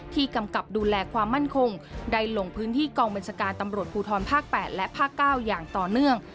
กำกับดูแลความมั่นคงได้ลงพื้นที่กองบัญชาการตำรวจภูทรภาค๘และภาค๙อย่างต่อเนื่อง